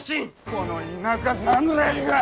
この田舎侍が！